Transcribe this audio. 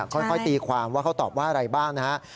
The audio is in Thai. ค่อยตีความว่าเขาตอบว่าอะไรบ้างนะฮะ